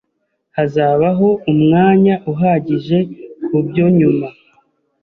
Hazabaho umwanya uhagije kubyo nyuma